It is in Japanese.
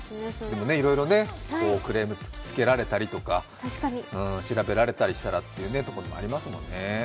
でもね、いろいろクレームを突きつけられたり調べられたりということもありますもんね。